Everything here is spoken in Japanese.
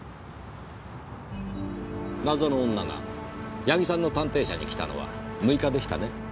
謎の女が矢木さんの探偵社に来たのは６日でしたね？